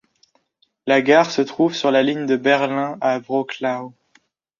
La gare se trouve sur la ligne de Berlin à Wrocław.